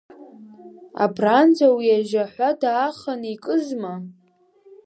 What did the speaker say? Абранӡа уи ажьаҳәа дааханы икызма?